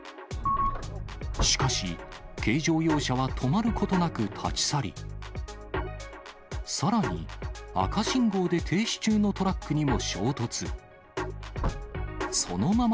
しかし、軽乗用車は止まることなく立ち去り、さらに、赤信号で停止中のトラックにも衝突。